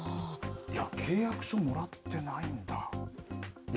契約書もらってないんだ。